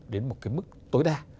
đến một cái mức tối đa